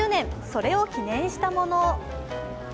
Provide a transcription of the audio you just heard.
それを記念したもの。